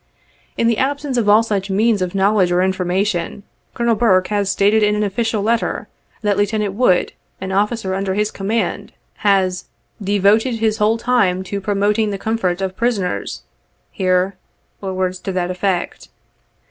In the absence of all such means of knowledge or information, Colonel Burke has stated in an official letter, that Lieutenant Wood, an officer under his command, has 'devoted his whole time to promoting the comfort of prisoners' here, or words to that effect.